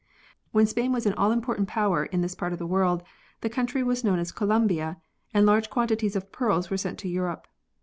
When Spain was an all important power in this part of the world, the country was known as Colombia and large quantities of pearls were sent to Europe.